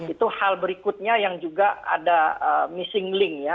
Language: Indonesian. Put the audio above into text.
itu hal berikutnya yang juga ada missing link ya